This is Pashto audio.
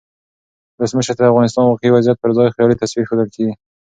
ولسمشر ته د افغانستان واقعي وضعیت پرځای خیالي تصویر ښودل کیږي.